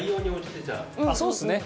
そうですね。